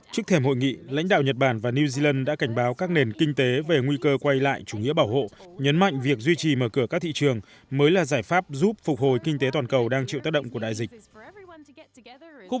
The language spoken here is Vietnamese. trước thềm hội nghị lãnh đạo nhật bản và new zealand đã cảnh báo các nền kinh tế về nguy cơ quay lại chủ nghĩa bảo hộ nhấn mạnh việc duy trì mở cửa các thị trường mới là giải pháp giúp phục hồi kinh tế toàn cầu đang chịu tác động của đại dịch